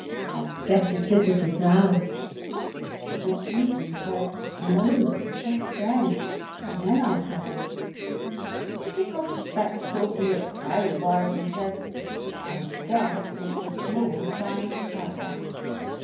"I guess it's a gazelle." THE JOURNEY 75 And Evelyn said, "No; guess again, and then I'll tell you." He took off his spectacles and looked very wise and said, "I guess it's a small sized tiger."